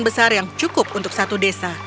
besar yang cukup untuk satu desa